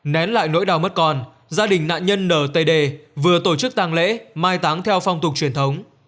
nén lại nỗi đau mất con gia đình của nạn nhân ntd vừa tổ chức lễ tang mai táng theo phong tục truyền thống